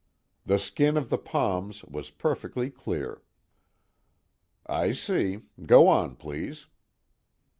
The skin of the palms was perfectly clear." "I see. Go on, please."